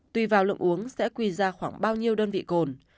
tùy vào lượng uống sẽ quy ra khoảng bao nhiêu đơn vị cồn